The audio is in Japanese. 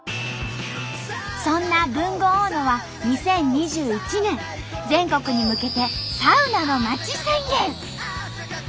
そんな豊後大野は２０２１年全国に向けて「サウナのまち宣言」。